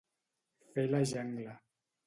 Fer la jangla.